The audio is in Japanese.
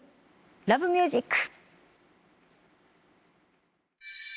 『Ｌｏｖｅｍｕｓｉｃ』！